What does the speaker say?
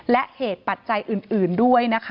และเหตุปัจจัยอื่นด้วยนะคะ